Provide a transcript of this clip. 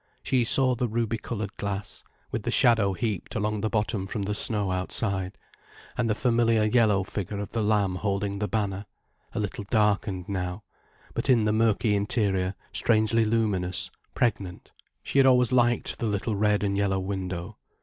She saw the ruby coloured glass, with the shadow heaped along the bottom from the snow outside, and the familiar yellow figure of the lamb holding the banner, a little darkened now, but in the murky interior strangely luminous, pregnant. She had always liked the little red and yellow window.